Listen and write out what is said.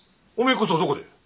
お前こそどこで？